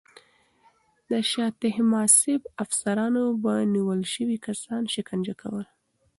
د شاه طهماسب افسرانو به نیول شوي کسان شکنجه کول.